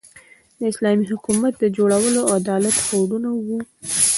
د اسلامي حکومت د جوړولو او عدالت هوډونه وو.